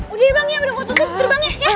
udah ya bang ya udah waktu tuh terbangnya